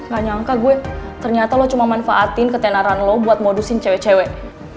gak nyangka gue ternyata lo cuma manfaatin ketenaran lo buat modusin cewek cewek